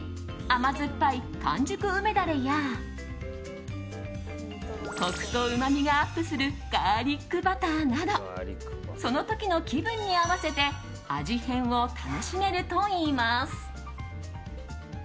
甘酸っぱい完熟梅ダレやコクとうまみがアップするガーリックバターなどその時の気分に合わせて味変を楽しめるといいます。